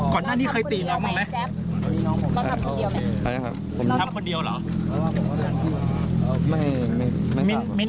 ก่อนหน้านี้เคยตีน้องเหรอไหมแจ๊บต้องทำคนเดียวไหมแจ๊บต้องทำคนเดียวไหมแจ๊บต้องทำคนเดียวไหม